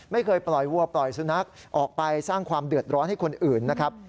ไม่เคยปล่อยวัวปล่อยสุนัขออกไปสร้างความเดือดร้อนให้คนอื่นนะครับ